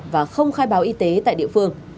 và không khai báo y tế tại địa phương